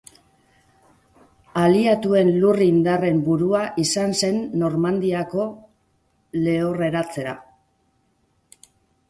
Aliatuen lur-indarren burua izan zen Normandiako Lehorreratzean.